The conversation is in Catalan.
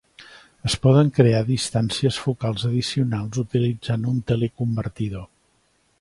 Es poden crear distancies focals addicionals utilitzant un teleconvertidor.